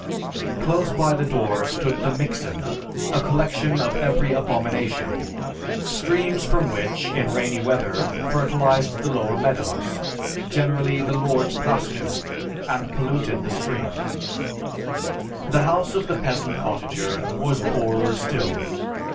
Close by the door stood the mixen, a collection of every abomination streams from which, in rainy weather, fertilized the lower meadows, generally the lord's pasture, and polluted the stream. The house of the peasant cottager was poorer still.